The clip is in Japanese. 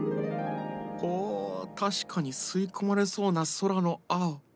ほう確かに吸い込まれそうな空の青。